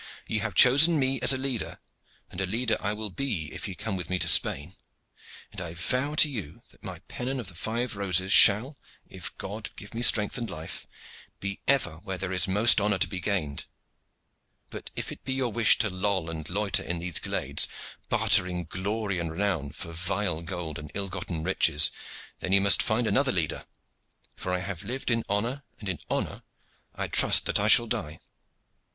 Ye have chosen me as a leader, and a leader I will be if ye come with me to Spain; and I vow to you that my pennon of the five roses shall, if God give me strength and life, be ever where there is most honor to be gained. But if it be your wish to loll and loiter in these glades, bartering glory and renown for vile gold and ill gotten riches, then ye must find another leader; for I have lived in honor, and in honor I trust that I shall die.